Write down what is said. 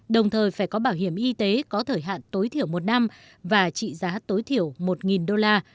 đồng thời phải có bảo hiểm y tế có thời hạn tối thiểu một năm và trị giá tối thiểu một đô la